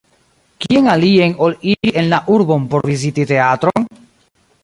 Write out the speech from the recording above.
Kien alien ol iri en la urbon por viziti teatron?